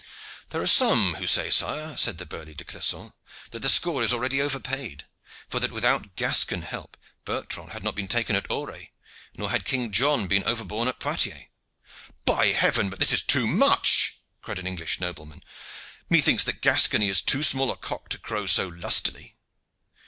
"There are some who say, sire," said the burly De Clisson, "that the score is already overpaid, for that without Gascon help Bertrand had not been taken at Auray, nor had King John been overborne at Poictiers." "By heaven! but this is too much," cried an English nobleman. "Methinks that Gascony is too small a cock to crow so lustily."